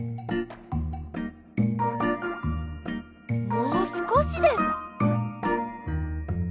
もうすこしです。